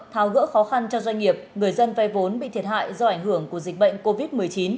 tháo gỡ khó khăn cho doanh nghiệp người dân vay vốn bị thiệt hại do ảnh hưởng của dịch bệnh covid một mươi chín